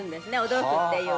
驚くっていう。